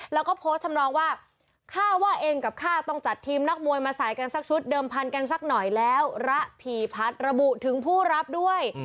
แล้วก็โพสต์ทำนองว่าข้าว่าเองกับข้าต้องจัดทีมนักมวยมาใส่กันสักชุดเดิมพันกันสักหน่อยแล้วระพีพัฒน์ระบุถึงผู้รับด้วย